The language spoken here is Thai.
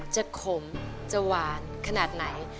ขมจะหวานขนาดไหน